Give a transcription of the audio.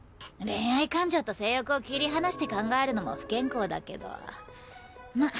恋愛感情と性欲を切り離して考えるのも不健康だけどまっ